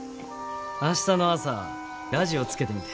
明日の朝ラジオつけてみて。